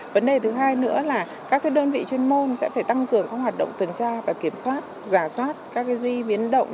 vấn đề thứ hai nữa là các đơn vị chuyên môn sẽ phải tăng cường các hoạt động tuần tra và kiểm soát giả soát các duy viến động